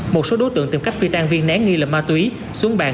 một số đối tượng tìm cách phi tan viên nén nghi là ma túy xuống bàn